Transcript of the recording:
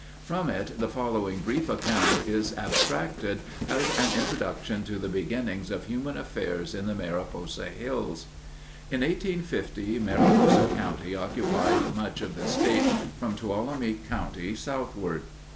From it the following brief account is abstracted as an introduction to the beginnings of human affairs in the Mariposa hills. In 1850, Mariposa County occupied much of the state from Tuolumne County southward.